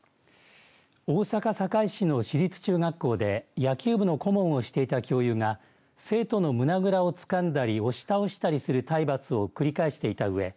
大阪堺市の市立中学校で野球部の顧問をしていた教諭が生徒の胸ぐらをつかんだり押し倒したりする体罰を繰り返していたうえ